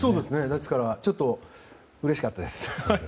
ですからちょっとうれしかったです。